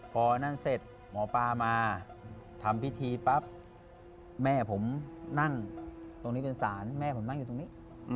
พอนั่นเสร็จหมอปลามาทำพิธีปั๊บแม่ผมนั่งตรงนี้เป็นศาลแม่ผมนั่งอยู่ตรงนี้